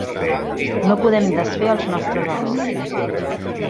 No podem desfer els nostres errors.